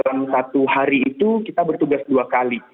dalam satu hari itu kita bertugas dua kali